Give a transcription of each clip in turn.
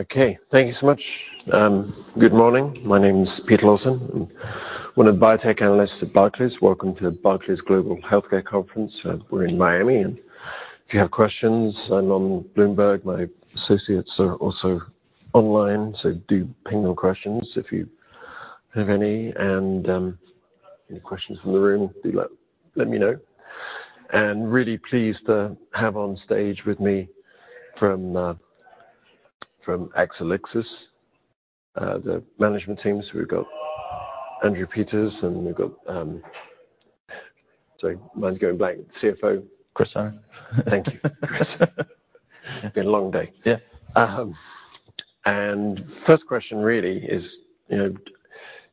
Okay, thank you so much. Good morning. My name is Peter Lawson, and one of the biotech analysts at Barclays. Welcome to Barclays Global Healthcare Conference. We're in Miami, and if you have questions, I'm on Bloomberg. My associates are also online, so do ping your questions if you have any. Any questions from the room, do let me know. Really pleased to have on stage with me from Exelixis, the management team. We've got Andrew Peters, and we've got, sorry, mind's going blank, CFO? Chris Allen. Thank you, Chris. It's been a long day. Yeah. And first question really is, you know,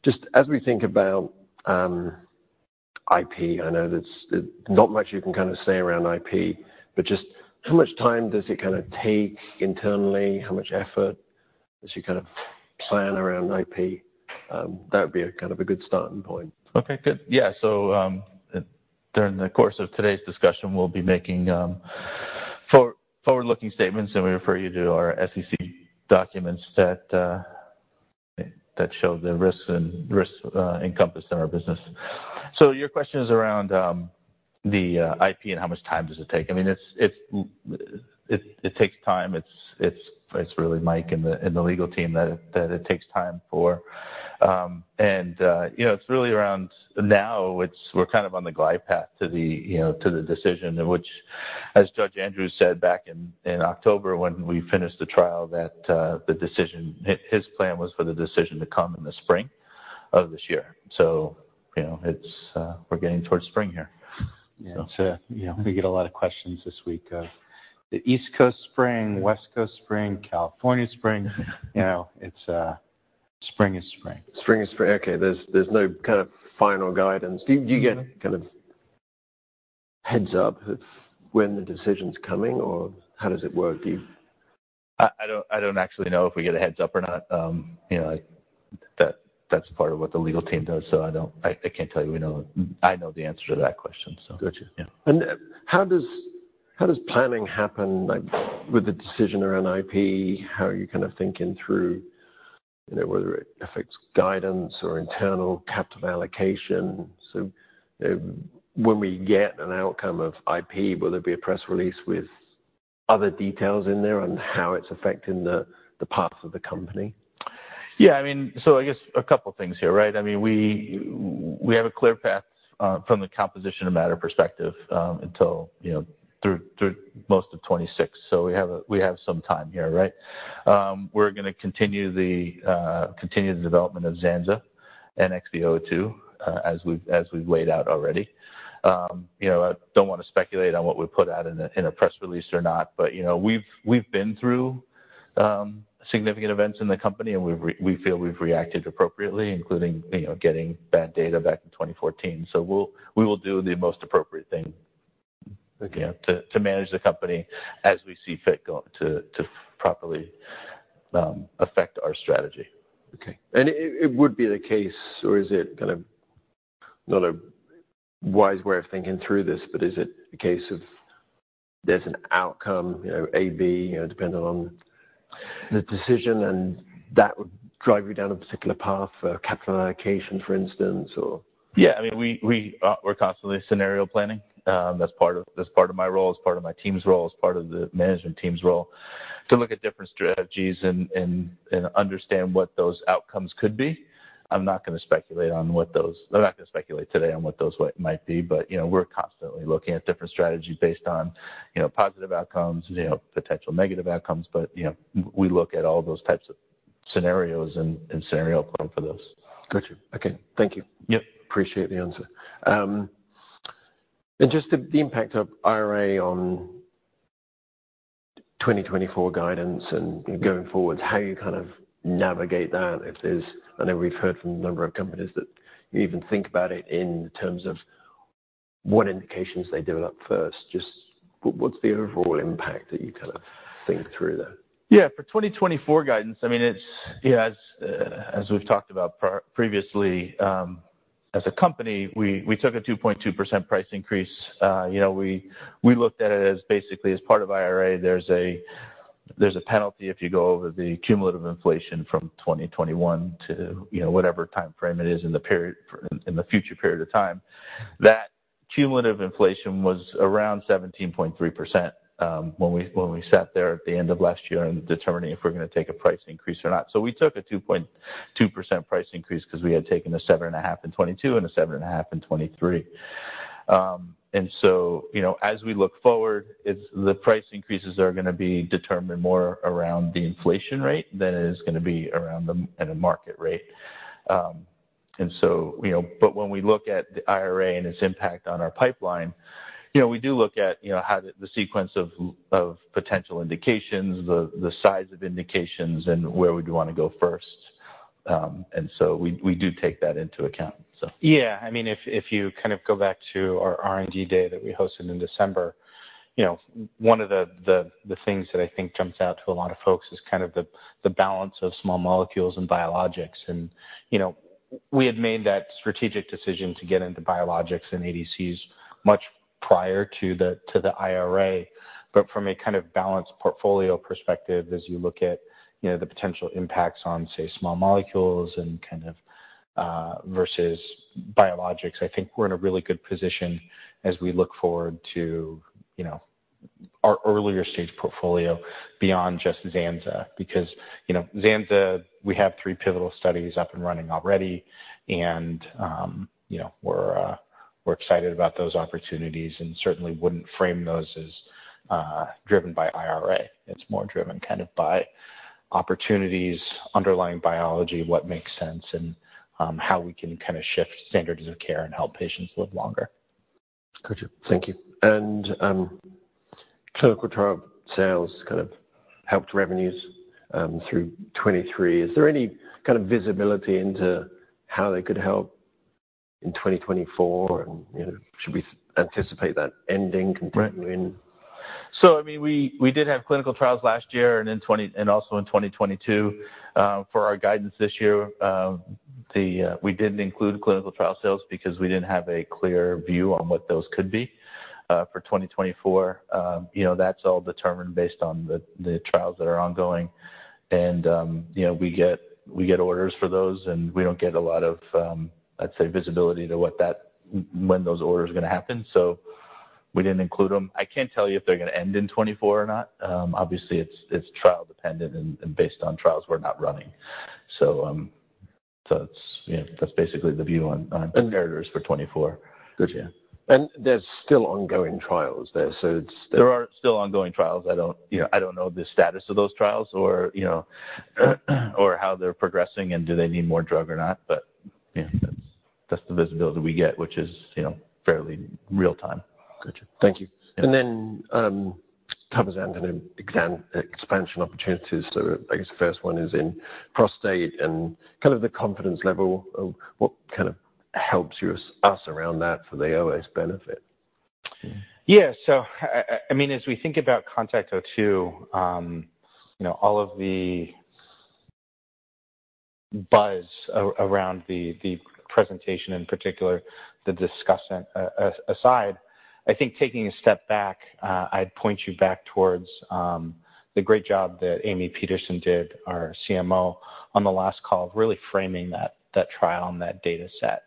just as we think about IP, I know there's not much you can kind of say around IP, but just how much time does it kinda take internally? How much effort as you kind of plan around IP? That would be a kind of a good starting point. Okay, good. Yeah, so, during the course of today's discussion, we'll be making forward-looking statements, and we refer you to our SEC documents that show the risks and risks encompassed in our business. So your question is around the IP and how much time does it take? I mean, it takes time. It's really Mike and the legal team that it takes time for. And, you know, it's really around now, it's we're kind of on the glide path to the, you know, to the decision in which, as Judge Andrews said back in October when we finished the trial, that the decision—his plan was for the decision to come in the spring of this year. So, you know, it's... We're getting towards spring here. Yeah. So. Yeah, we get a lot of questions this week of the East Coast spring- Yeah... West Coast spring, California spring. Yeah. You know, it's spring is spring. Spring is spring. Okay, there's, there's no kind of final guidance. Do you, do you get kind of heads-up of when the decision's coming, or how does it work? Do you- I don't actually know if we get a heads-up or not. You know, that's part of what the legal team does, so I don't... I can't tell you, you know, I know the answer to that question, so- Gotcha. Yeah. How does planning happen, like, with the decision around IP? How are you kind of thinking through, you know, whether it affects guidance or internal capital allocation? So, when we get an outcome of IP, will there be a press release with other details in there on how it's affecting the path of the company? Yeah, I mean, so I guess a couple things here, right? I mean, we have a clear path from the composition of matter perspective, you know, through most of 2026. So we have some time here, right? We're gonna continue the development of Zanza and XB002, as we've laid out already. You know, I don't want to speculate on what we put out in a press release or not, but, you know, we've been through significant events in the company, and we feel we've reacted appropriately, including, you know, getting bad data back in 2014. So we'll do the most appropriate thing- Okay... yeah, to manage the company as we see fit, to properly affect our strategy. Okay. And it would be the case, or is it kind of not a wise way of thinking through this, but is it a case of there's an outcome, you know, A/B, you know, depending on the decision, and that would drive you down a particular path for capital allocation, for instance, or? Yeah, I mean, we're constantly scenario planning. That's part of my role, as part of my team's role, as part of the management team's role, to look at different strategies and understand what those outcomes could be. I'm not gonna speculate on what those... I'm not gonna speculate today on what those might be, but, you know, we're constantly looking at different strategies based on, you know, positive outcomes, you know, potential negative outcomes. But, you know, we look at all those types of scenarios and scenario planning for those. Got you. Okay, thank you. Yep. Appreciate the answer. And just the impact of IRA on 2024 guidance and, you know, going forward, how you kind of navigate that, if there's... I know we've heard from a number of companies that you even think about it in terms of what indications they develop first. Just what's the overall impact that you kind of think through that? Yeah. For 2024 guidance, I mean, it's, you know, as, as we've talked about previously, as a company, we, we took a 2.2% price increase. You know, we, we looked at it as basically as part of IRA, there's a, there's a penalty if you go over the cumulative inflation from 2021 to, you know, whatever timeframe it is in the period, in the future period of time. That cumulative inflation was around 17.3%, when we, when we sat there at the end of last year and determining if we're gonna take a price increase or not. So we took a 2.2% price increase because we had taken a 7.5 in 2022 and a 7.5 in 2023. And so, you know, as we look forward, it's the price increases are gonna be determined more around the inflation rate than it is gonna be around the in the market rate. And so, you know, but when we look at the IRA and its impact on our pipeline, you know, we do look at how the sequence of potential indications, the size of indications, and where we'd want to go first. And so we do take that into account, so. Yeah, I mean, if you kind of go back to our R&D Day that we hosted in December, you know, one of the things that I think jumps out to a lot of folks is kind of the balance of small molecules and biologics. And, you know, we had made that strategic decision to get into biologics and ADCs much prior to the IRA. But from a kind of balanced portfolio perspective, as you look at, you know, the potential impacts on, say, small molecules and kind of versus biologics, I think we're in a really good position as we look forward to, you know, our earlier stage portfolio beyond just Zanza. Because, you know, zanzalintinib, we have 3 pivotal studies up and running already, and, you know, we're excited about those opportunities and certainly wouldn't frame those as driven by IRA. It's more driven kind of by opportunities, underlying biology, what makes sense, and how we can kind of shift standards of care and help patients live longer. Gotcha. Thank you. And clinical trial sales kind of helped revenues through 2023. Is there any kind of visibility into how they could help in 2024, and you know, should we anticipate that ending, continuing? Right. So, I mean, we did have clinical trials last year and in 2023 and also in 2022. For our guidance this year, we didn't include clinical trial sales because we didn't have a clear view on what those could be. For 2024, you know, that's all determined based on the trials that are ongoing. You know, we get orders for those, and we don't get a lot of, I'd say, visibility to what that when those orders are going to happen, so we didn't include them. I can't tell you if they're going to end in 2024 or not. Obviously, it's trial dependent and based on trials we're not running. It's, you know, that's basically the view on the narratives for 2024. Gotcha. There's still ongoing trials there, so it's- There are still ongoing trials. I don't... You know, I don't know the status of those trials or, you know, or how they're progressing and do they need more drug or not. But, yeah, that's, that's the visibility we get, which is, you know, fairly real time. Gotcha. Thank you. Yeah. And then, cabozantinib expansion opportunities. So I guess the first one is in prostate and kind of the confidence level of what kind of helps you, us around that for the OS benefit? Yeah. So, I mean, as we think about CONTACT-02, you know, all of the buzz around the presentation, in particular, the discussion aside, I think taking a step back, I'd point you back towards the great job that Amy Peterson did, our CMO, on the last call of really framing that trial and that data set.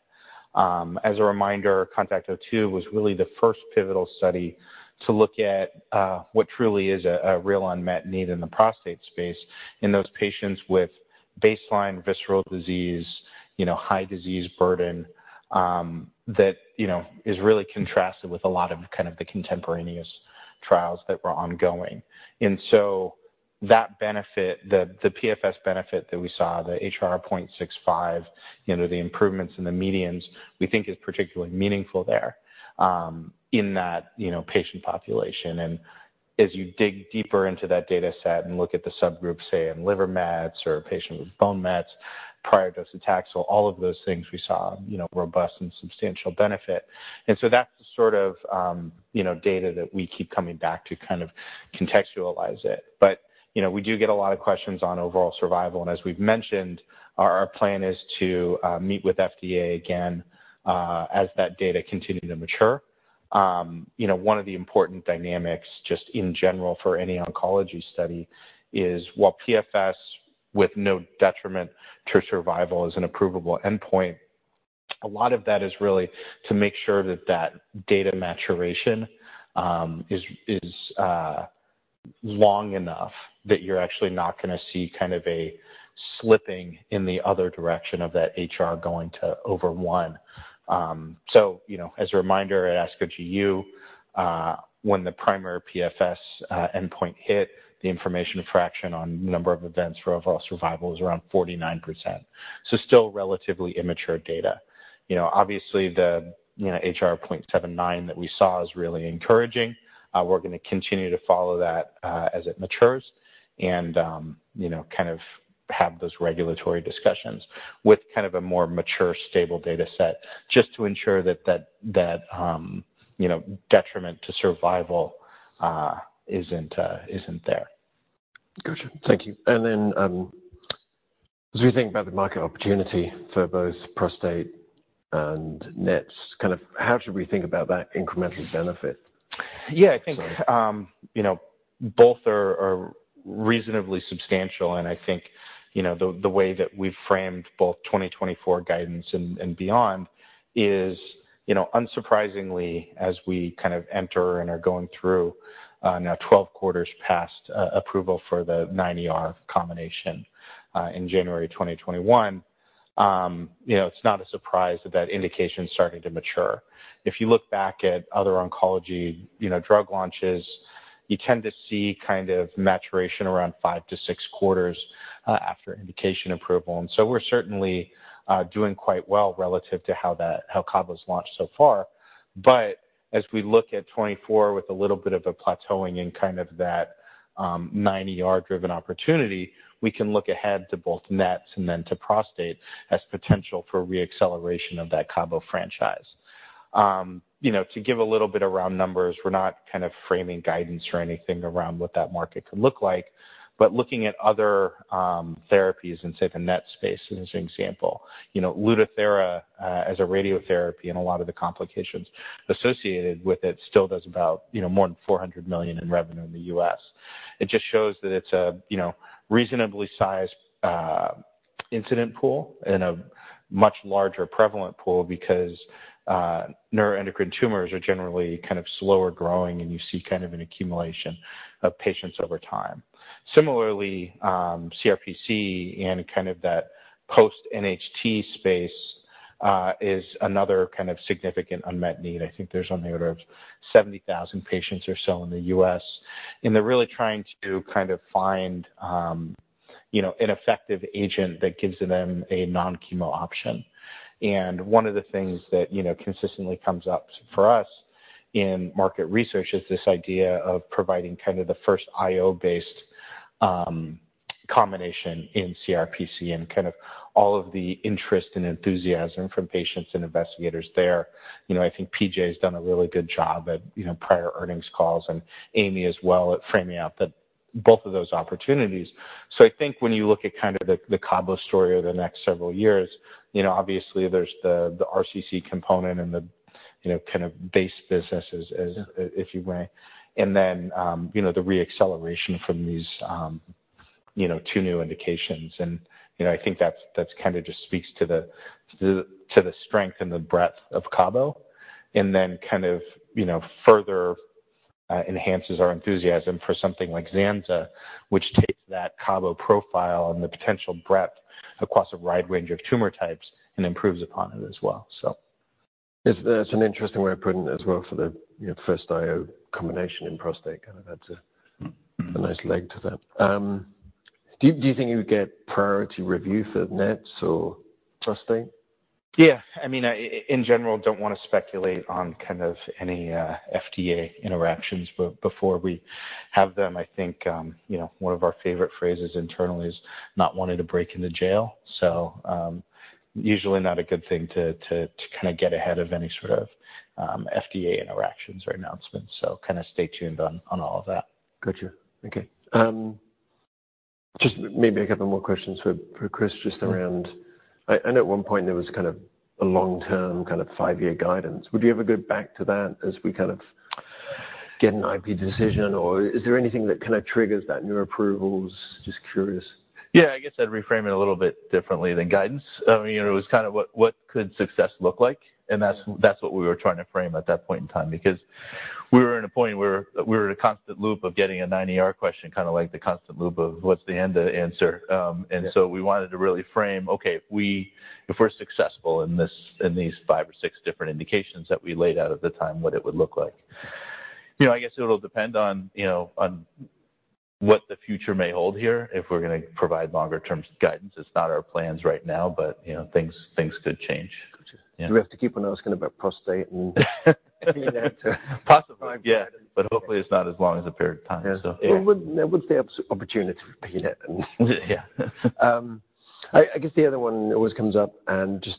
As a reminder, CONTACT-02 was really the first pivotal study to look at what truly is a real unmet need in the prostate space in those patients with baseline visceral disease, you know, high disease burden, you know, that is really contrasted with a lot of kind of the contemporaneous trials that were ongoing. And so that benefit, the PFS benefit that we saw, the HR 0.65, you know, the improvements in the medians, we think is particularly meaningful there, in that, you know, patient population. And as you dig deeper into that data set and look at the subgroups, say, in liver mets or a patient with bone mets, prior docetaxel, all of those things we saw, you know, robust and substantial benefit. And so that's the sort of, you know, data that we keep coming back to kind of contextualize it. But, you know, we do get a lot of questions on overall survival, and as we've mentioned, our plan is to meet with FDA again, as that data continue to mature. You know, one of the important dynamics, just in general for any oncology study, is while PFS with no detriment to survival is an approvable endpoint, a lot of that is really to make sure that that data maturation is long enough that you're actually not going to see kind of a slipping in the other direction of that HR going to over 1. So, you know, as a reminder at ASCO GU, when the primary PFS endpoint hit, the information fraction on number of events for overall survival was around 49%. So still relatively immature data. You know, obviously, the HR 0.79 that we saw is really encouraging. We're going to continue to follow that, as it matures and, you know, kind of have those regulatory discussions with kind of a more mature, stable data set, just to ensure that that, you know, detriment to survival, isn't, isn't there. Gotcha. Thank you. And then, as we think about the market opportunity for both prostate and NETs, kind of how should we think about that incremental benefit? Yeah, I think- Sorry. You know, both are, are reasonably substantial, and I think, you know, the, the way that we've framed both 2024 guidance and, and beyond is, you know, unsurprisingly, as we kind of enter and are going through, now 12 quarters past, approval for the 9ER combination, in January 2021, you know, it's not a surprise that that indication is starting to mature. If you look back at other oncology, you know, drug launches, you tend to see kind of maturation around 5-6 quarters, after indication approval. And so we're certainly, doing quite well relative to how that, how Cabo's launched so far. But as we look at 2024 with a little bit of a plateauing in kind of that, 9ER-driven opportunity, we can look ahead to both NETs and then to prostate as potential for re-acceleration of that Cabo franchise. You know, to give a little bit around numbers, we're not kind of framing guidance or anything around what that market could look like, but looking at other therapies in, say, the NET space, as an example, you know, Lutathera as a radiotherapy and a lot of the complications associated with it, still does about, you know, more than $400 million in revenue in the U.S. It just shows that it's a, you know, reasonably sized incidence pool and a much larger prevalent pool because neuroendocrine tumors are generally kind of slower growing, and you see kind of an accumulation of patients over time. Similarly, CRPC and kind of that post-NHT space is another kind of significant unmet need. I think there's on the order of 70,000 patients or so in the U.S., and they're really trying to kind of find, you know, an effective agent that gives them a non-chemo option. One of the things that, you know, consistently comes up for us in market research is this idea of providing kind of the first IO-based combination in CRPC and kind of all of the interest and enthusiasm from patients and investigators there. You know, I think PJ has done a really good job at, you know, prior earnings calls, and Amy as well, at framing out the both of those opportunities. So I think when you look at kind of the Cabo story over the next several years, you know, obviously there's the RCC component and the, you know, kind of base business as if you may, and then, you know, the re-acceleration from these, you know, two new indications. And, you know, I think that's kind of just speaks to the strength and the breadth of Cabo, and then kind of, you know, further enhances our enthusiasm for something like Zanza, which takes that Cabo profile and the potential breadth across a wide range of tumor types and improves upon it as well, so. It's an interesting way of putting it as well for the, you know, first IO combination in prostate, and that's a- Mm-hmm... a nice leg to that. Do you think you would get priority review for NET or prostate? Yeah. I mean, in general, don't wanna speculate on kind of any FDA interactions, but before we have them, I think you know, one of our favorite phrases internally is not wanting to break in the jail. So, usually not a good thing to kinda get ahead of any sort of FDA interactions or announcements. So kind of stay tuned on all of that. Got you. Okay. Just maybe a couple more questions for Chris, just around... I know at one point there was kind of a long-term, kind of five-year guidance. Would you ever go back to that as we kind of get an IP decision, or is there anything that kind of triggers that new approvals? Just curious. Yeah, I guess I'd reframe it a little bit differently than guidance. I mean, it was kind of what could success look like? Mm-hmm. And that's, that's what we were trying to frame at that point in time, because we were in a point where we were in a constant loop of getting a 9ER question, kind of like the constant loop of: What's the end answer? Yeah. So we wanted to really frame, okay, if we're successful in this, in these five or six different indications that we laid out at the time, what it would look like. You know, I guess it'll depend on, you know, on what the future may hold here, if we're gonna provide longer term guidance. It's not our plans right now, but, you know, things could change. Got you. Yeah. Do we have to keep on asking about prostate and- You know, prostate, yeah, but hopefully it's not as long as a period of time. Yeah. So, yeah. Well, would there be opportunity to repeat it? Yeah. I guess the other one always comes up and just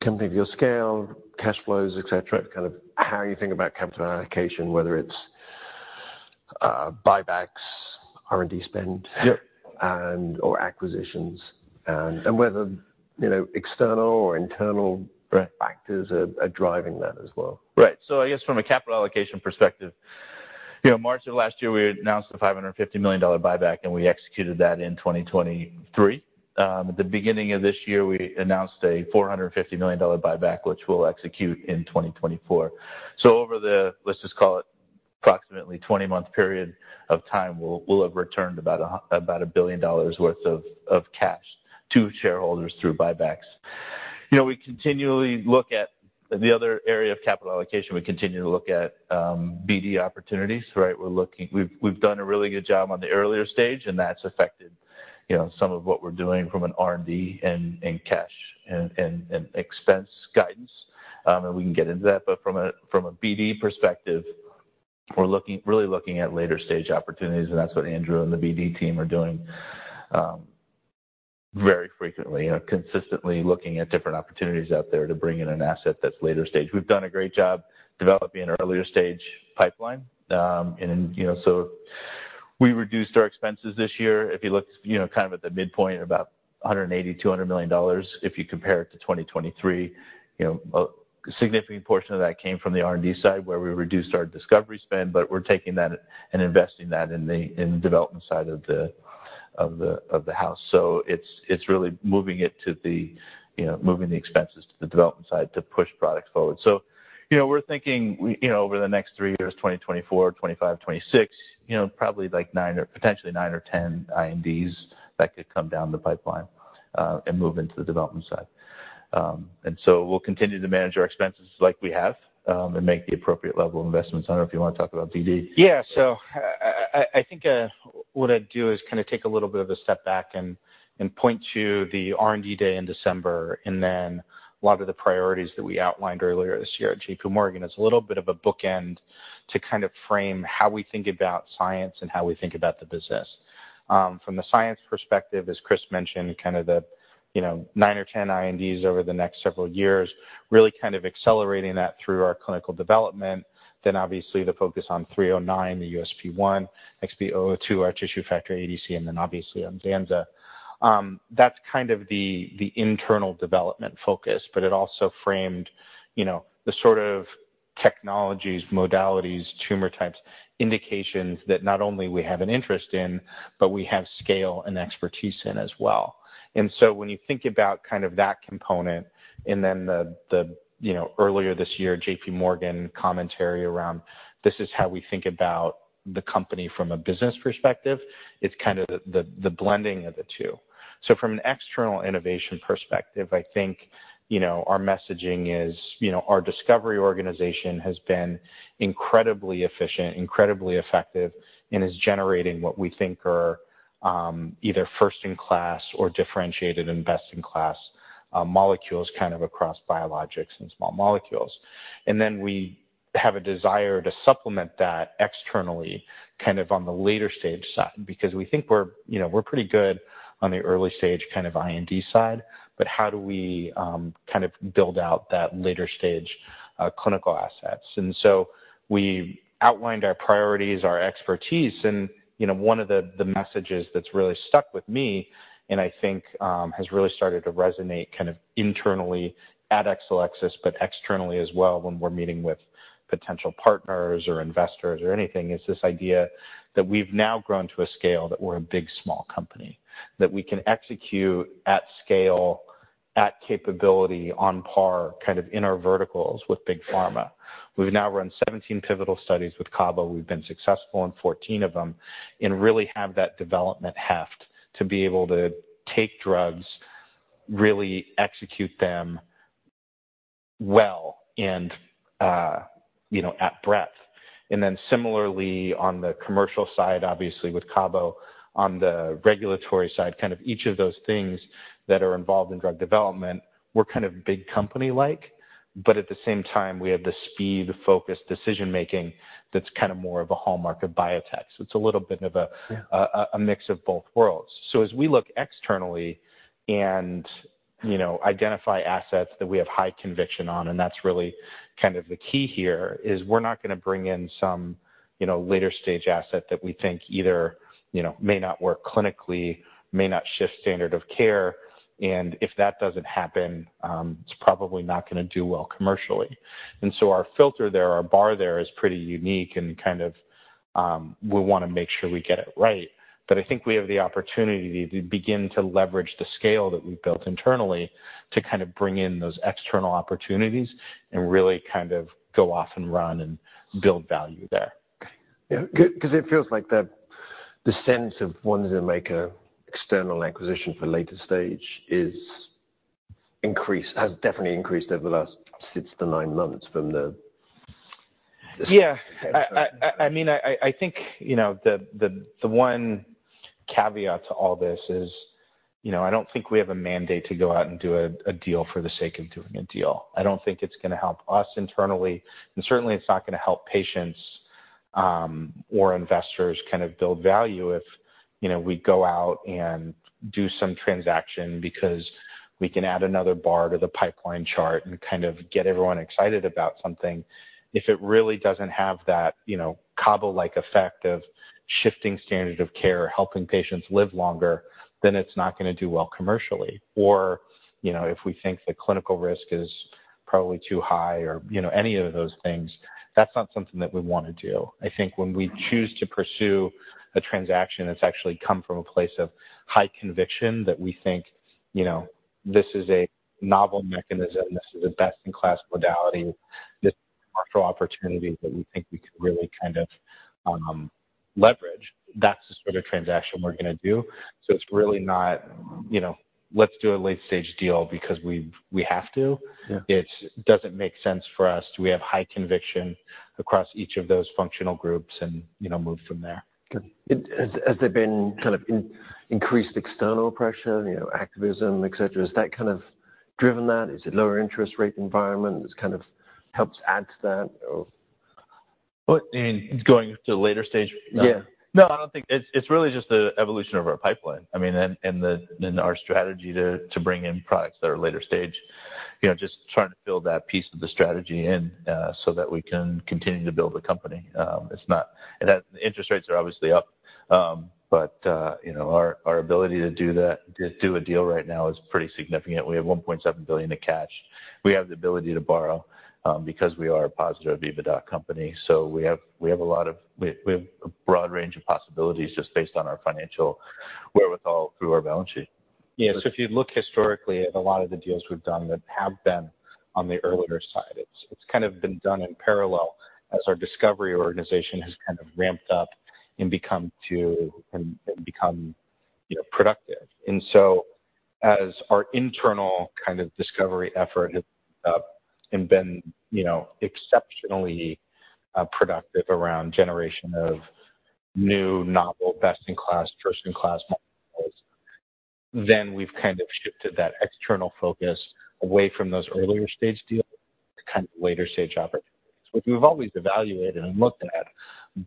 company of your scale, cash flows, et cetera, kind of how you think about capital allocation, whether it's buybacks, R&D spend- Yep... and/or acquisitions, and whether, you know, external or internal breadth factors are driving that as well. Right. So I guess from a capital allocation perspective, you know, March of last year, we announced a $550 million buyback, and we executed that in 2023. At the beginning of this year, we announced a $450 million buyback, which we'll execute in 2024. So over the, let's just call it approximately 20-month period of time, we'll have returned about a $1 billion worth of cash to shareholders through buybacks. You know, we continually look at the other area of capital allocation. We continue to look at BD opportunities, right? We've done a really good job on the earlier stage, and that's affected, you know, some of what we're doing from an R&D and cash and expense guidance. And we can get into that, but from a BD perspective, we're looking, really looking at later stage opportunities, and that's what Andrew and the BD team are doing, very frequently, you know, consistently looking at different opportunities out there to bring in an asset that's later stage. We've done a great job developing our earlier stage pipeline. And, you know, so we reduced our expenses this year. If you look, you know, kind of at the midpoint, about $180-$200 million, if you compare it to 2023, you know, a significant portion of that came from the R&D side, where we reduced our discovery spend, but we're taking that and investing that in the development side of the house. So it's really moving it to the, you know, moving the expenses to the development side to push products forward. So, you know, we're thinking you know, over the next three years, 2024, 2025, 2026, you know, probably like 9 or potentially 9 or 10 INDs that could come down the pipeline, and move into the development side. And so we'll continue to manage our expenses like we have, and make the appropriate level of investments. I don't know if you wanna talk about BD? Yeah. So I think what I'd do is kinda take a little bit of a step back and point to the R&D day in December, and then a lot of the priorities that we outlined earlier this year at J.P. Morgan. It's a little bit of a bookend to kind of frame how we think about science and how we think about the business. From the science perspective, as Chris mentioned, kind of the, you know, nine or ten INDs over the next several years, really kind of accelerating that through our clinical development. Then obviously, the focus on XL309, the USP1, XB002, our tissue factor, ADC, and then obviously on Zanza. That's kind of the internal development focus, but it also framed, you know, the sort of technologies, modalities, tumor types, indications that not only we have an interest in, but we have scale and expertise in as well. And so when you think about kind of that component, and then the, you know, earlier this year, J.P. Morgan commentary around, this is how we think about the company from a business perspective, it's kind of the blending of the two. So from an external innovation perspective, I think, you know, our messaging is, you know, our discovery organization has been incredibly efficient, incredibly effective, and is generating what we think are, either first-in-class or differentiated and best-in-class, molecules, kind of across biologics and small molecules. And then we have a desire to supplement that externally, kind of on the later stage side, because we think we're, you know, we're pretty good on the early stage, kind of, IND side, but how do we, kind of build out that later stage, clinical assets? And so we outlined our priorities, our expertise, and, you know, one of the, the messages that's really stuck with me, and I think, has really started to resonate kind of internally at Exelixis, but externally as well when we're meeting with potential partners or investors or anything, is this idea that we've now grown to a scale that we're a big small company. That we can execute at scale, at capability on par, kind of in our verticals with big pharma. We've now run 17 pivotal studies with CABO. We've been successful in 14 of them, and really have that development heft to be able to take drugs, really execute them well and, you know, at breadth. And then similarly, on the commercial side, obviously with CABO, on the regulatory side, kind of each of those things that are involved in drug development, we're kind of big company-like, but at the same time, we have the speed-focused decision-making that's kind of more of a hallmark of biotech. So it's a little bit of a mix of both worlds. So as we look externally and, you know, identify assets that we have high conviction on, and that's really kind of the key here, is we're not gonna bring in some, you know, later stage asset that we think either, you know, may not work clinically, may not shift standard of care, and if that doesn't happen, it's probably not gonna do well commercially. And so our filter there, our bar there, is pretty unique and kind of, we wanna make sure we get it right. But I think we have the opportunity to begin to leverage the scale that we've built internally to kind of bring in those external opportunities and really kind of go off and run and build value there. Yeah. 'Cause it feels like the sense of wanting to make an external acquisition for later stage has definitely increased over the last 6-9 months from the- Yeah. I mean, I think, you know, the one caveat to all this is, you know, I don't think we have a mandate to go out and do a deal for the sake of doing a deal. I don't think it's gonna help us internally, and certainly it's not gonna help patients or investors kind of build value if, you know, we go out and do some transaction because we can add another bar to the pipeline chart and kind of get everyone excited about something. If it really doesn't have that, you know, Cabo-like effect of shifting standard of care, helping patients live longer, then it's not gonna do well commercially. Or, you know, if we think the clinical risk is probably too high or, you know, any of those things, that's not something that we wanna do. I think when we choose to pursue a transaction, it's actually come from a place of high conviction that we think, you know, this is a novel mechanism. This is a best-in-class modality. This is a commercial opportunity that we think we could really kind of leverage. That's the sort of transaction we're gonna do. So it's really not, you know, let's do a late-stage deal because we've, we have to. Yeah. It doesn't make sense for us. Do we have high conviction across each of those functional groups and, you know, move from there. Good. Has there been kind of increased external pressure, you know, activism, et cetera? Has that kind of driven that? Is it lower interest rate environment, which kind of helps add to that or? Well, in going to a later stage? Yeah. No, I don't think... It's really just the evolution of our pipeline. I mean, and our strategy to bring in products that are later stage. You know, just trying to build that piece of the strategy in, so that we can continue to build the company. It's not-- interest rates are obviously up, but, you know, our ability to do that, to do a deal right now is pretty significant. We have $1.7 billion in cash. We have the ability to borrow because we are a positive EBITDA company, so we have a broad range of possibilities just based on our financial wherewithal through our balance sheet. Yeah, so if you look historically at a lot of the deals we've done that have been on the earlier side, it's kind of been done in parallel as our discovery organization has kind of ramped up and become, you know, productive. And so as our internal kind of discovery effort has ramped up and been, you know, exceptionally productive around generation of new, novel, best-in-class, first-in-class molecules, then we've kind of shifted that external focus away from those earlier stage deals to kind of later stage opportunities, which we've always evaluated and looked at.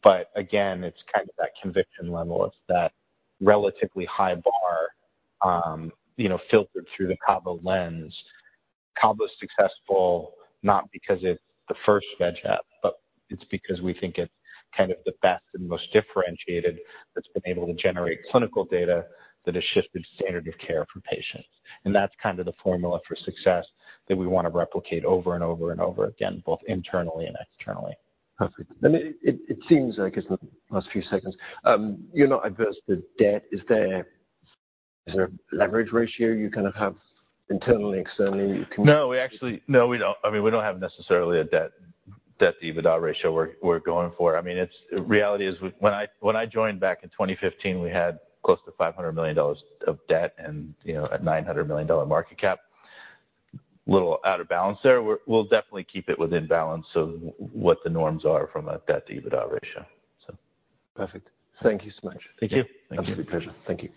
But again, it's kind of that conviction level. It's that relatively high bar, you know, filtered through the CABO lens. CABO's successful, not because it's the first VEGF, but it's because we think it's kind of the best and most differentiated, that's been able to generate clinical data that has shifted standard of care for patients. And that's kind of the formula for success that we wanna replicate over and over and over again, both internally and externally. Perfect. And it seems like it's the last few seconds. You're not averse to debt. Is there a leverage ratio you kind of have internally, externally, you can? No, we actually. No, we don't. I mean, we don't have necessarily a debt, debt-to-EBITDA ratio we're going for. I mean, reality is, when I joined back in 2015, we had close to $500 million of debt and, you know, a $900 million market cap. Little out of balance there. We'll definitely keep it within balance of what the norms are from a debt-to-EBITDA ratio, so. Perfect. Thank you so much. Thank you. Absolutely, pleasure. Thank you.